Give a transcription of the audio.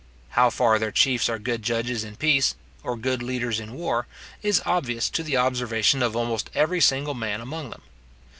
How far their chiefs are good judges in peace, or good leaders in war, is obvious to the observation of almost every single man among them.